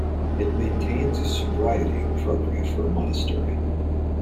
It maintains a sobriety appropriate for a monastery.